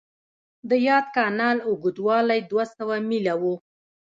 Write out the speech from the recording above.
د یاد کانال اوږدوالی دوه سوه میله و.